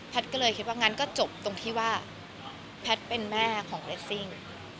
ก็เลยคิดว่างั้นก็จบตรงที่ว่าแพทย์เป็นแม่ของเรสซิ่ง